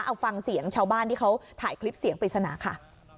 เอาฟังเสียงชาวบ้านที่เขาถ่ายคลิปเสียงปริศนาค่ะ